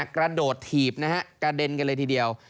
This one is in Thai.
กระโดดถีบกระเด็นเลยทีเดียว